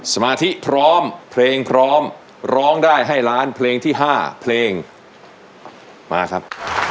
สมาธิพร้อมเพลงพร้อมร้องได้ให้ล้านเพลงที่๕เพลงมาครับ